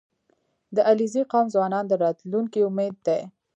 • د علیزي قوم ځوانان د راتلونکي امید دي.